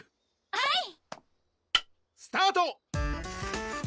はいスタート！